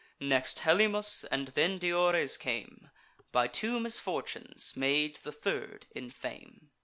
Next Helymus; and then Diores came, By two misfortunes made the third in fame.